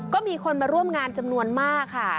ก็มีคนมาร่วมงานจำนวนมากค่ะ